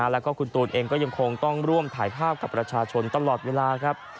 แล้วก็คุณตูนเองก็ยังคงต้องร่วมถ่ายภาพกับประชาชนตลอดเวลาครับ